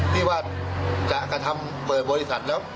ที่ว่าจะกระทำเปิดบริษัทแล้ว